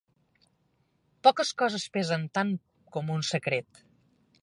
Poques coses pesen tant com un secret.